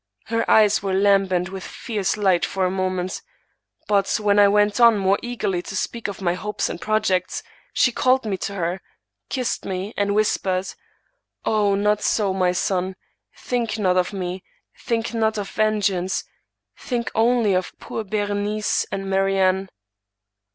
Her eyes were lambent with fierce light for a moment; but, when I went on more ^agefly to speak of my hopes and projects, she called me to her — kissed me, and whispered :' Oh, not so, my son 1 <:hink not of me — ^think not of vengeance — think only of poor Berenice and Mariamne.'